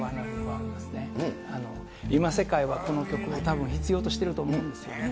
今、世界はこの曲をたぶん必要としていると思うんですよ。